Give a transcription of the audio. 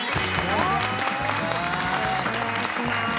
よろしくお願いします。